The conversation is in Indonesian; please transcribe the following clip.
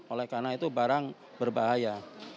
oleh karena itu barang berbahaya